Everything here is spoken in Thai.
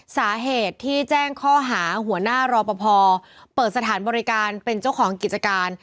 สาเหตุที่แจ้งข้อหาหัวหน้ารอปภเปิดสถานบริการเป็นเจ้าของกิจการ